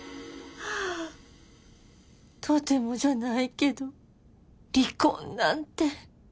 とてもじゃないけど離婚なんて。